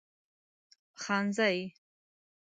خانزي